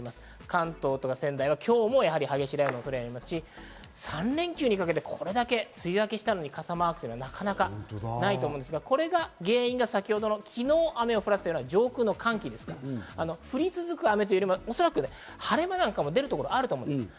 関東や仙台は今日も激しい雷雨の恐れがありますし、３連休にかけてこれだけ梅雨明けしたのに傘マークがなかなかないと思うんですが、原因は昨日、雨を降らせた上空の寒気、降り続く雨というよりも晴れ間なんかも出るところはあるんです。